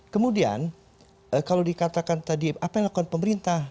kemudian kalau dikatakan tadi apa yang dilakukan pemerintah